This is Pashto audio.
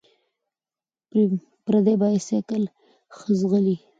ـ پردى بايسکل ښه ځغلي.